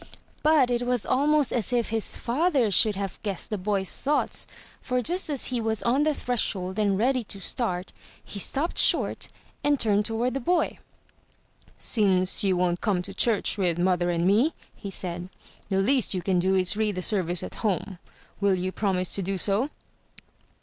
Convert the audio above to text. But it was almost as if his father should have guessed the boy's thoughts for just as he was on the threshold and ready to start, he stopped short, and turned toward the boy: ''Since you won't come to church with mother and me," he said, "the least you can do is to read the service at home. Will you promise to do so?"